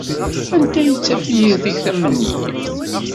Anta i d tafyirt-ik tamenyift?